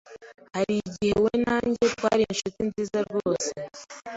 Hari igihe we na njye twari inshuti nziza rwose.